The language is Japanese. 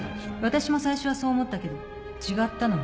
わたしも最初はそう思ったけど違ったのね。